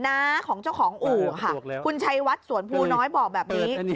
น้าของเจ้าของอู่ค่ะคุณชัยวัดสวนภูน้อยบอกแบบนี้